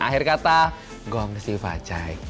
akhir kata gongsi pacai